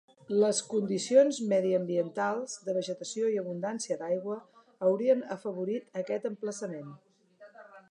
Les condicions mediambientals, de vegetació i abundància d'aigua, haurien afavorit aquest emplaçament.